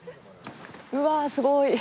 うわあすごい。